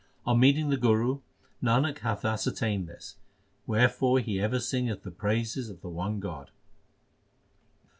On meeting the Guru, Nanak hath ascertained this ; wherefore he ever singeth the praises of the one God.